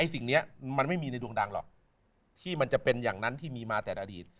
สิ่งนี้มันไม่มีในดวงดังหรอกที่มันจะเป็นอย่างนั้นที่มีมาแต่อดีต